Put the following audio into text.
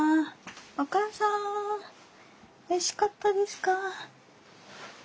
お母さんおいしかったですか？